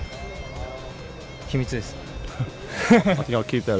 秘密ですね。